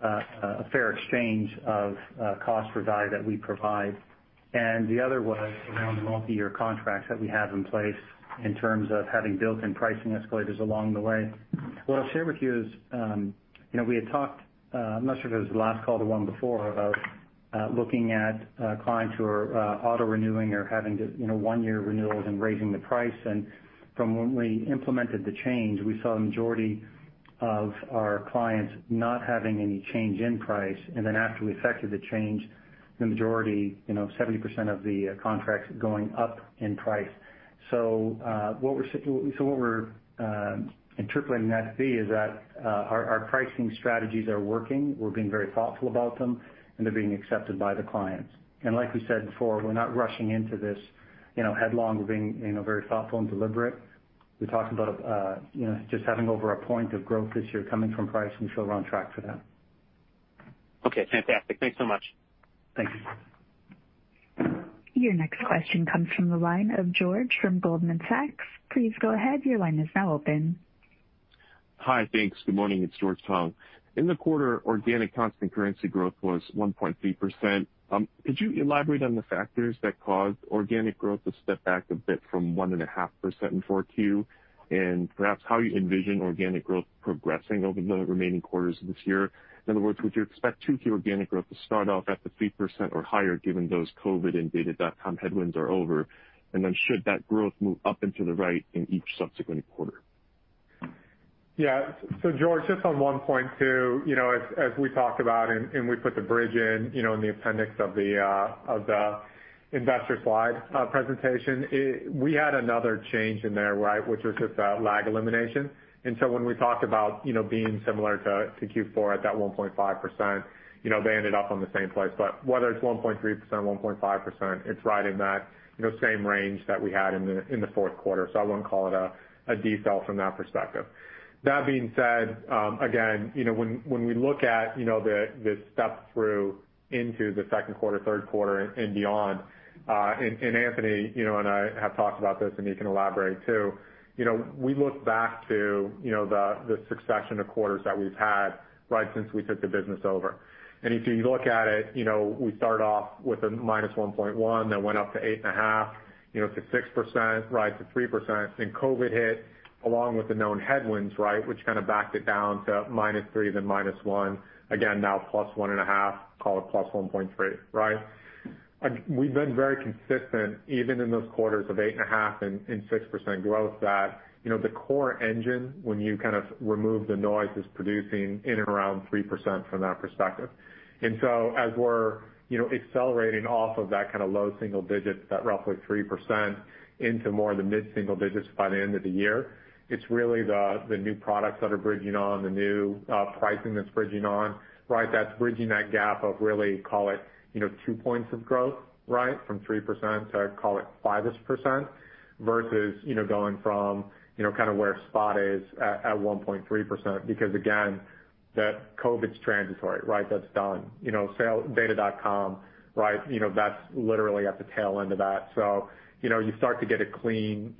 a fair exchange of cost for value that we provide. The other was around the multi-year contracts that we have in place in terms of having built-in pricing escalators along the way. What I'll share with you is, we had talked, I'm not sure if it was the last call or the one before, about looking at clients who are auto-renewing or having just one-year renewals and raising the price. From when we implemented the change, we saw the majority of our clients not having any change in price, and then after we effected the change, the majority, 70% of the contracts going up in price. What we're interpreting that to be is that our pricing strategies are working. We're being very thoughtful about them, and they're being accepted by the clients. Like we said before, we're not rushing into this headlong. We're being very thoughtful and deliberate. We talked about just having over a point of growth this year coming from price, and we feel we're on track for that. Okay, fantastic. Thanks so much. Thanks. Your next question comes from the line of George from Goldman Sachs. Please go ahead, your line is now open. Hi, thanks. Good morning. It's George Tong. In the quarter, organic constant currency growth was 1.3%. Could you elaborate on the factors that caused organic growth to step back a bit from 1.5% in 4Q, and perhaps how you envision organic growth progressing over the remaining quarters of this year? In other words, would you expect 2Q organic growth to start off at the 3% or higher given those COVID and Data.com headwinds are over? Should that growth move up into the right in each subsequent quarter? Yeah. George, just on one point, too, as we talked about and we put the bridge in in the appendix of the investor slide presentation, we had another change in there, which was just that lag elimination. When we talked about being similar to Q4 at that 1.5%, they ended up on the same place. Whether it's 1.3%, 1.5%, it's right in that same range that we had in the fourth quarter. I wouldn't call it a detail from that perspective. That being said, again, when we look at the step-through into the second quarter, third quarter and beyond, and Anthony and I have talked about this, and you can elaborate, too. We look back to the succession of quarters that we've had since we took the business over. If you look at it, we start off with a -1.1 then went up to 8.5%, to 6%, to 3%. COVID hit along with the known headwinds, which kind of backed it down to -3, then -1. Again, now +1.5, call it +1.3. We've been very consistent, even in those quarters of 8.5% and 6% growth, that the core engine, when you kind of remove the noise, is producing in and around 3% from that perspective. As we're accelerating off of that kind of low single digits, that roughly 3%, into more of the mid-single digits by the end of the year, it's really the new products that are bridging on, the new pricing that's bridging on. That's bridging that gap of really, call it two points of growth from 3% to, call it 5%-ish, versus going from where spot is at 1.3%. Again, that COVID's transitory. That's done. Data.com, that's literally at the tail end of that. You start to get a clean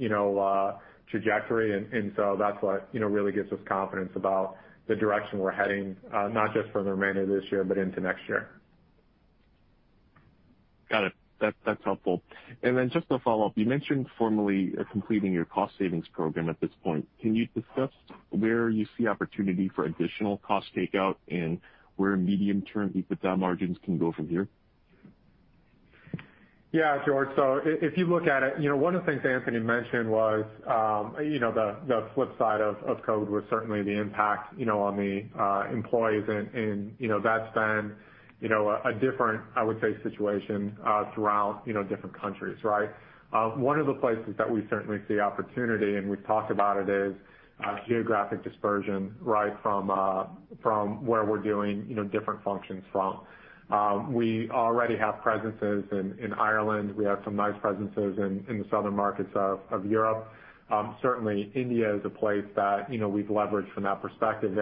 trajectory, and so that's what really gives us confidence about the direction we're heading, not just for the remainder of this year, but into next year. Got it. That's helpful. Then just to follow up, you mentioned formally completing your cost savings program at this point. Can you discuss where you see opportunity for additional cost takeout and where medium-term EBITDA margins can go from here? Yeah, George. If you look at it, one of the things Anthony mentioned was the flip side of COVID was certainly the impact on the employees, and that's been a different, I would say, situation throughout different countries. One of the places that we certainly see opportunity, and we've talked about it, is geographic dispersion from where we're doing different functions from. We already have presences in Ireland. We have some nice presences in the southern markets of Europe. Certainly, India is a place that we've leveraged from that perspective.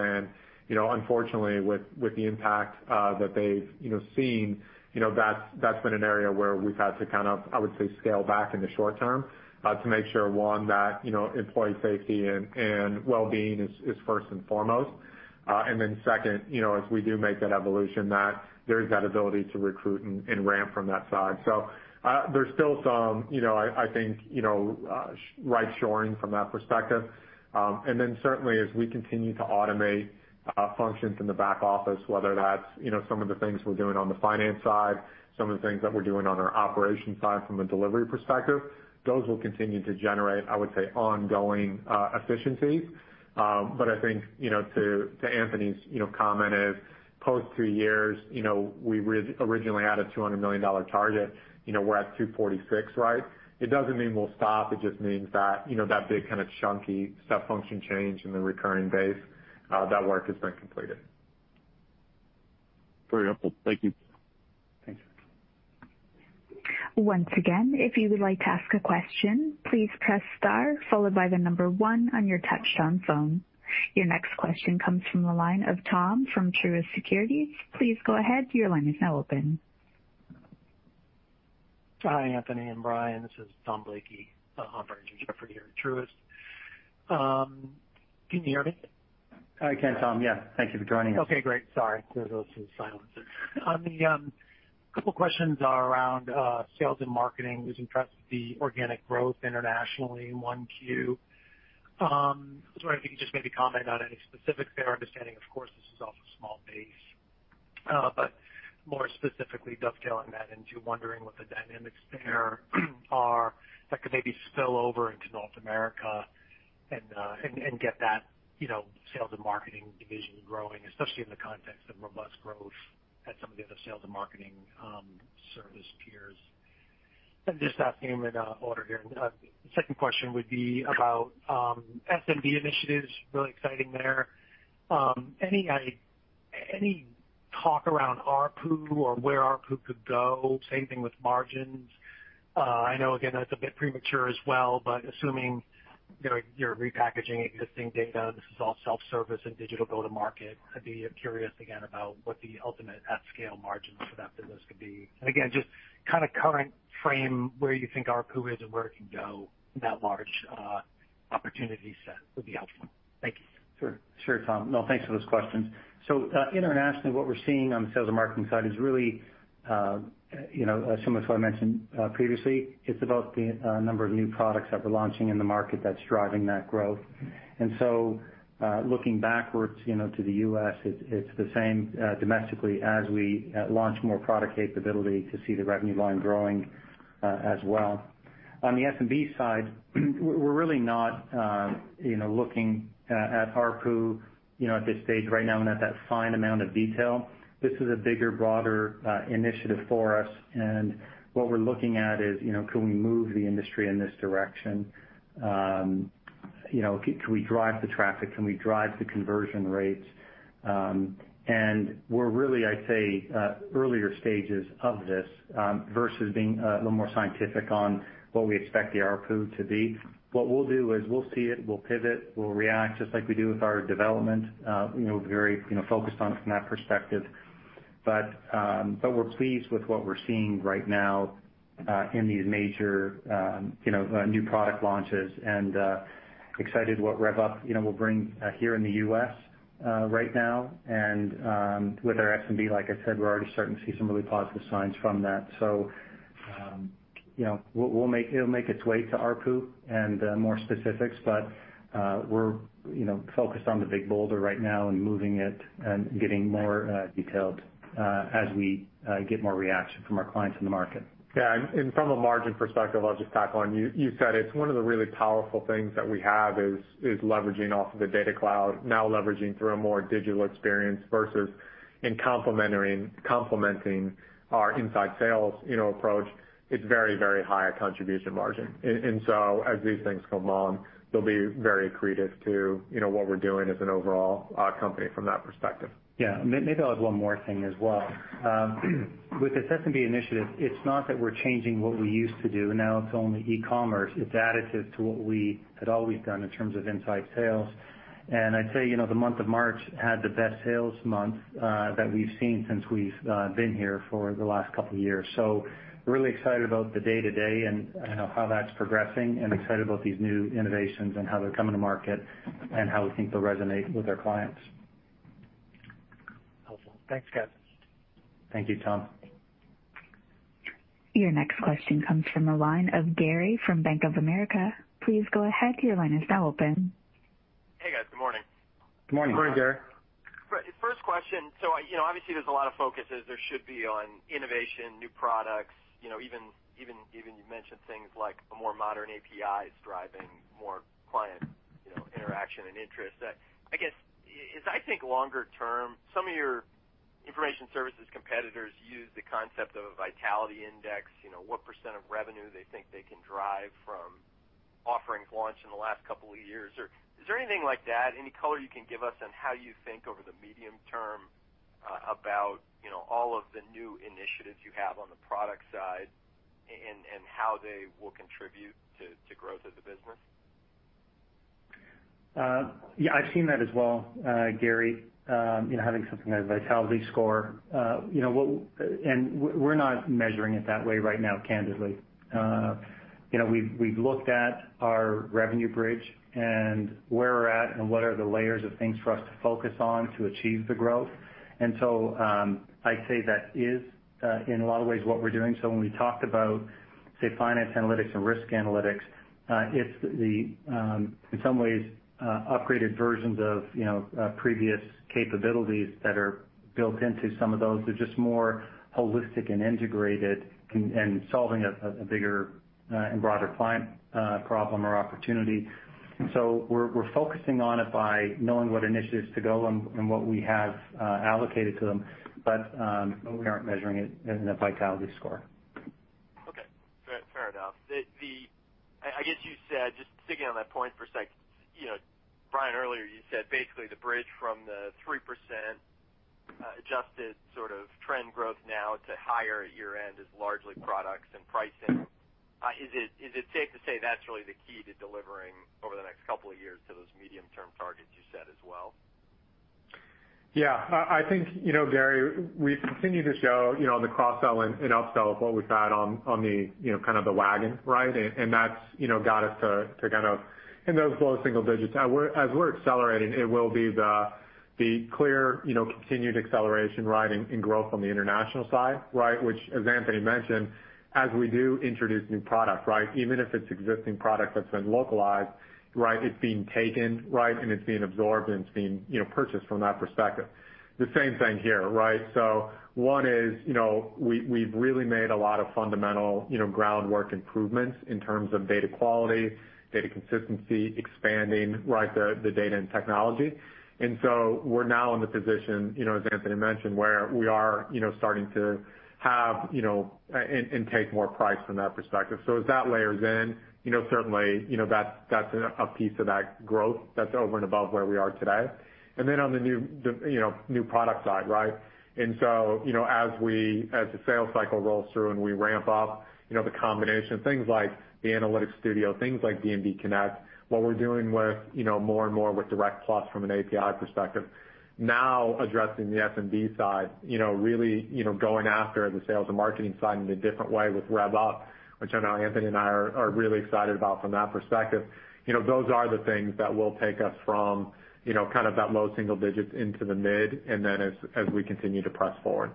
Unfortunately, with the impact that they've seen, that's been an area where we've had to kind of, I would say, scale back in the short term to make sure, one, that employee safety and wellbeing is first and foremost. Second, as we do make that evolution, that there is that ability to recruit and ramp from that side. There's still some, I think, right shoring from that perspective. Certainly as we continue to automate functions in the back office, whether that's some of the things we're doing on the finance side, some of the things that we're doing on our operations side from a delivery perspective, those will continue to generate, I would say, ongoing efficiencies. I think to Anthony's comment is post three years, we originally had a $200 million target. We're at $246. It doesn't mean we'll stop. It just means that big kind of chunky step function change in the recurring base, that work has been completed. Very helpful. Thank you. Thanks. Your next question comes from the line of Tom from Truist Securities. Please go ahead. Your line is open. Hi, Anthony and Bryan. This is Tom Blakey of Truist. Can you hear me? I can, Tom. Yeah. Thank you for joining us. Okay, great. Sorry. There is some silence there. A couple questions around Sales and Marketing. Was impressed with the organic growth internationally in 1Q. I was wondering if you could just maybe comment on any specifics there. Understanding, of course, this is off a small base. More specifically, dovetailing that into wondering what the dynamics there are that could maybe spill over into North America and get that Sales and Marketing division growing, especially in the context of robust growth at some of the other Sales and Marketing service peers. Just asking them in order here. The second question would be about SMB initiatives. Really exciting there. Any talk around ARPU or where ARPU could go? Same thing with margins. I know, again, that is a bit premature as well, but assuming you are repackaging existing data, this is all self-service and digital go-to-market. I'd be curious again about what the ultimate at-scale margins for that business could be. Again, just kind of current frame where you think ARPU is and where it can go in that large opportunity set would be helpful. Thank you. Sure, Tom. No, thanks for those questions. Internationally, what we're seeing on the Sales and Marketing side is really similar to what I mentioned previously. It's about the number of new products that we're launching in the market that's driving that growth. Looking backwards to the U.S., it's the same domestically as we launch more product capability to see the revenue line growing as well. On the SMB side, we're really not looking at ARPU at this stage right now and at that fine amount of detail. This is a bigger, broader initiative for us. What we're looking at is, can we move the industry in this direction? Can we drive the traffic? Can we drive the conversion rates? We're really, I'd say, earlier stages of this versus being a little more scientific on what we expect the ARPU to be. What we'll do is we'll see it, we'll pivot, we'll react, just like we do with our development. Very focused on it from that perspective. We're pleased with what we're seeing right now in these major new product launches, and excited what Rev.Up will bring here in the U.S. right now. With our SMB, like I said, we're already starting to see some really positive signs from that. It'll make its way to ARPU and more specifics, but we're focused on the big boulder right now and moving it and getting more detailed as we get more reaction from our clients in the market. Yeah. From a margin perspective, I'll just tack on. You said it, one of the really powerful things that we have is leveraging off of the Data Cloud, now leveraging through a more digital experience versus in complementing our inside sales approach. It's very, very high contribution margin. As these things come along, they'll be very accretive to what we're doing as a total company from that perspective. Yeah. Maybe I'll add one more thing as well. With the SMB initiative, it's not that we're changing what we used to do, now it's only e-commerce. It's additive to what we had always done in terms of inside sales. I'd say, the month of March had the best sales month that we've seen since we've been here for the last couple of years. We're really excited about the day-to-day, and how that's progressing, and excited about these new innovations and how they're coming to market and how we think they'll resonate with our clients. helpful. Thanks, guys. Thank you, Tom. Your next question comes from the line of Gary from Bank of America. Please go ahead, your line is now open. Hey, guys. Good morning. Good morning. Good morning, Gary. First question. Obviously there's a lot of focus, as there should be, on innovation, new products, even you mentioned things like the more modern APIs driving more client interaction and interest. I guess, as I think longer term, some of your information services competitors use the concept of a vitality index. What percent of revenue they think they can drive from offerings launched in the last couple of years. Is there anything like that? Any color you can give us on how you think over the medium term about all of the new initiatives you have on the product side and how they will contribute to growth of the business? Yeah, I've seen that as well, Gary, having something like a vitality score. We're not measuring it that way right now, candidly. We've looked at our revenue bridge and where we're at and what are the layers of things for us to focus on to achieve the growth. I'd say that is, in a lot of ways, what we're doing. When we talked about, say, Finance Analytics and Risk Analytics, it's the, in some ways, upgraded versions of previous capabilities that are built into some of those. They're just more holistic and integrated and solving a bigger and broader client problem or opportunity. We're focusing on it by knowing what initiatives to go and what we have allocated to them. We aren't measuring it in a vitality score. Okay. Fair enough. I guess you said, just sticking on that point for a sec, Bryan, earlier you said basically the bridge from the 3% adjusted sort of trend growth now to higher at year-end is largely products and pricing. Is it safe to say that's really the key to delivering over the next couple of years to those medium-term targets you set as well? Yeah. I think, Gary, we continue to show the cross-sell and up-sell of what we've had on the kind of the wagon, right? That's got us to kind of in those low single digits. As we're accelerating, it will be the clear continued acceleration and growth on the International side. Which, as Anthony mentioned, as we do introduce new product, even if it's existing product that's been localized, it's being taken, and it's being absorbed, and it's being purchased from that perspective. The same thing here. One is, we've really made a lot of fundamental groundwork improvements in terms of data quality, data consistency, expanding the data and technology. We're now in the position, as Anthony mentioned, where we are starting to have and take more price from that perspective. As that layers in, certainly that's a piece of that growth that's over and above where we are today. On the new product side. As the sales cycle rolls through and we ramp up the combination of things like the Analytics Studio, things like D&B Connect, what we're doing more and more with D&B Direct+ from an API perspective. Now addressing the SMB side, really going after the Sales and Marketing side in a different way with Rev.Up, which I know Anthony and I are really excited about from that perspective. Those are the things that will take us from kind of that low single digits into the mid and then as we continue to press forward.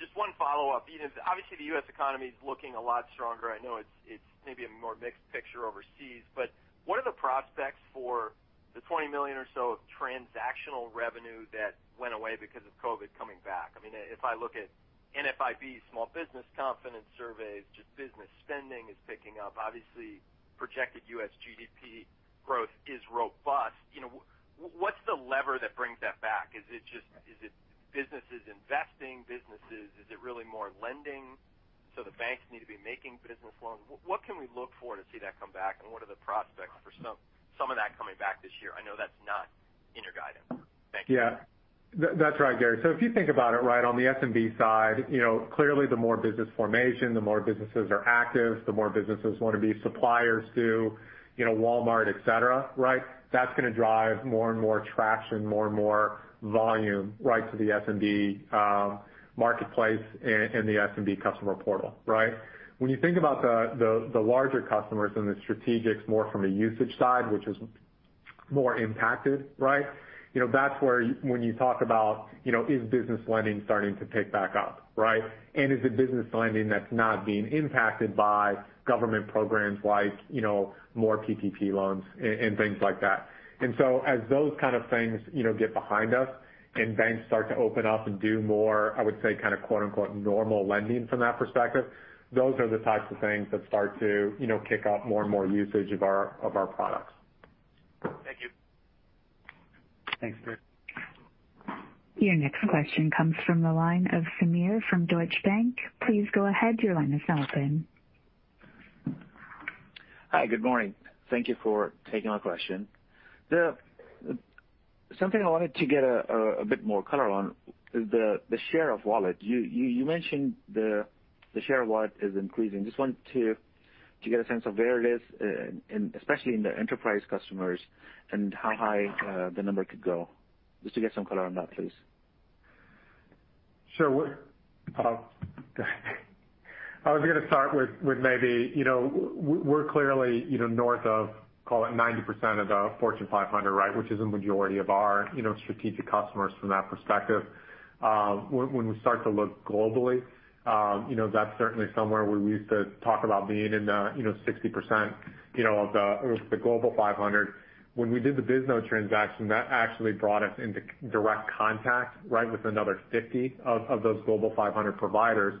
Just one follow-up. Obviously, the U.S. economy is looking a lot stronger. I know it's maybe a more mixed picture overseas, but what are the prospects for the $20 million or so of transactional revenue that went away because of COVID coming back? If I look at NFIB small business confidence surveys, business spending is picking up. Obviously, projected U.S. GDP growth is robust. What's the lever that brings that back? Is it businesses investing? Is it really more lending, so the banks need to be making business loans? What can we look for to see that come back, and what are the prospects for some of that coming back this year? I know that's not in your guidance. Thank you. Yeah. That's right, Gary. If you think about it, on the SMB side, clearly the more business formation, the more businesses are active, the more businesses want to be suppliers to Walmart, et cetera. That's going to drive more and more traction, more and more volume to the SMB marketplace and the SMB customer portal. When you think about the larger customers and the strategics more from a usage side, which is more impacted. That's where when you talk about, is business lending starting to pick back up? Is it business lending that's not being impacted by government programs like more PPP loans and things like that. As those kind of things get behind us and banks start to open up and do more, I would say kind of quote-unquote, "normal lending" from that perspective, those are the types of things that start to kick off more and more usage of our products. Thank you. Thanks, Gary. Your next question comes from the line of Sameer from Deutsche Bank. Please go ahead, your line is open. Hi, good morning. Thank you for taking my question. Something I wanted to get a bit more color on is the share of wallet. You mentioned the share of wallet is increasing. Just wanted to get a sense of where it is, especially in the enterprise customers and how high the number could go. Just to get some color on that, please. Sure. I was going to start with maybe, we're clearly north of, call it 90% of the Fortune 500, which is a majority of our strategic customers from that perspective. When we start to look globally, that's certainly somewhere where we used to talk about being in the 60% of the Global 500. When we did the Bisnode transaction, that actually brought us into direct contact with another 50 of those Global 500 providers.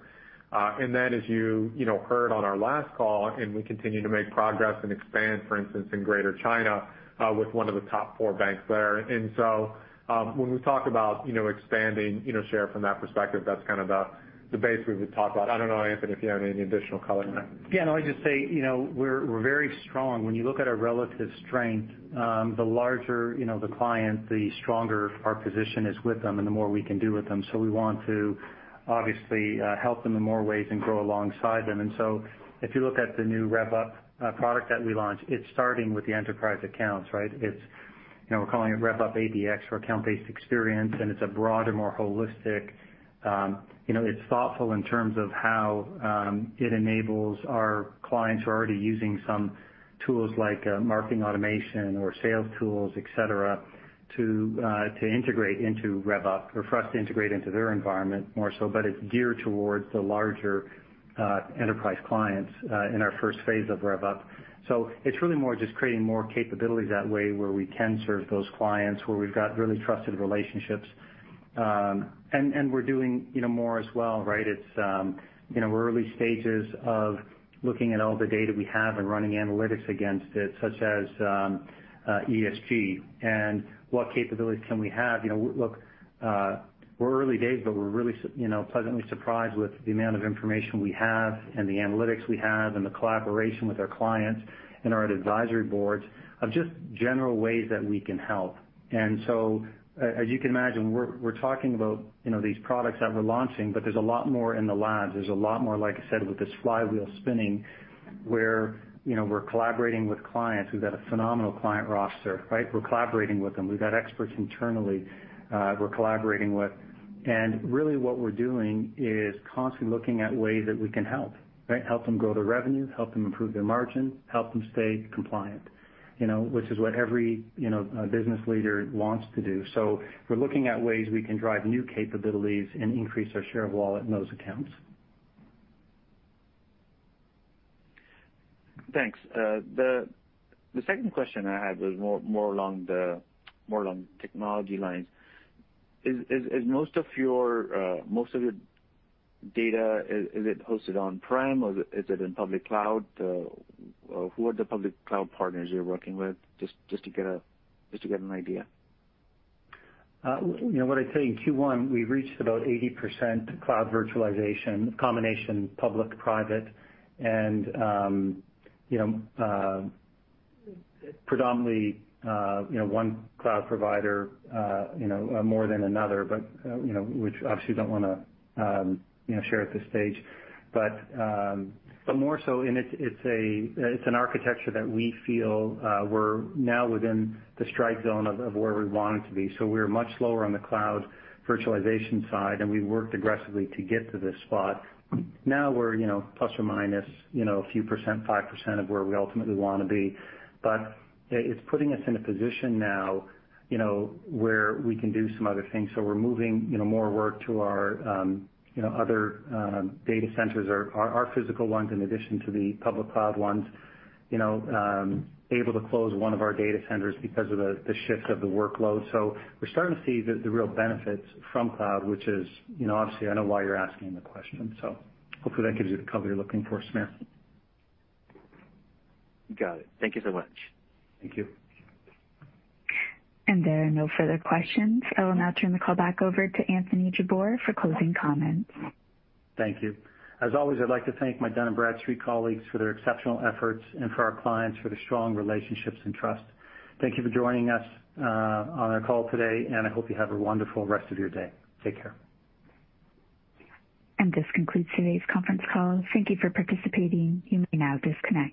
As you heard on our last call, and we continue to make progress and expand, for instance, in Greater China, with one of the top four banks there. So, when we talk about expanding share from that perspective, that's kind of the base we would talk about. I don't know, Anthony, if you have any additional color. Yeah. No, I'd just say we're very strong. When you look at our relative strength, the larger the client, the stronger our position is with them and the more we can do with them. We want to obviously help them in more ways and grow alongside them. If you look at the new Rev.Up product that we launched, it's starting with the enterprise accounts. We're calling it Rev.Up ABX for account-based experience. It's a broader, more holistic It's thoughtful in terms of how it enables our clients who are already using some tools like marketing automation or sales tools, et cetera, to integrate into Rev.Up or for us to integrate into their environment more so. It's geared towards the larger enterprise clients in our first phase of Rev.Up. It's really more just creating more capabilities that way where we can serve those clients where we've got really trusted relationships. We're doing more as well. We're early stages of looking at all the data we have and running analytics against it, such as ESG and what capabilities can we have. Look, we're early days, but we're really pleasantly surprised with the amount of information we have and the analytics we have and the collaboration with our clients and our advisory boards of just general ways that we can help. As you can imagine, we're talking about these products that we're launching, but there's a lot more in the labs. There's a lot more, like I said, with this flywheel spinning where we're collaborating with clients. We've got a phenomenal client roster. We're collaborating with them. We've got experts internally we're collaborating with. Really what we're doing is constantly looking at ways that we can help. Help them grow their revenue, help them improve their margin, help them stay compliant which is what every business leader wants to do. We're looking at ways we can drive new capabilities and increase our share of wallet in those accounts. Thanks. The second question I had was more along technology lines. Most of your data, is it hosted on-prem or is it in public cloud? Who are the public cloud partners you're working with? Just to get an idea. What I'd say, in Q1, we reached about 80% cloud virtualization combination public, private, and predominantly one cloud provider more than another which obviously don't want to share at this stage. More so, it's an architecture that we feel we're now within the strike zone of where we want it to be. We're much lower on the cloud virtualization side, and we worked aggressively to get to this spot. Now we're plus or minus a few percent, 5% of where we ultimately want to be. It's putting us in a position now where we can do some other things. We're moving more work to our other data centers, our physical ones in addition to the public cloud ones. We were able to close one of our data centers because of the shift of the workload. We're starting to see the real benefits from cloud, which is obviously I know why you're asking the question. Hopefully that gives you the cover you're looking for, Sameer. Got it. Thank you so much. Thank you. There are no further questions. I will now turn the call back over to Anthony Jabbour for closing comments. Thank you. As always, I'd like to thank my Dun & Bradstreet colleagues for their exceptional efforts and for our clients for their strong relationships and trust. Thank you for joining us on our call today, and I hope you have a wonderful rest of your day. Take care. This concludes today's conference call. Thank you for participating. You may now disconnect.